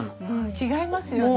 違いますよね。